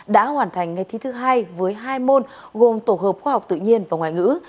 đã hoàn thành ngay thi thứ hai với hai môn gồm tổ hợp khoa học tự nhiên và ngoại ngữ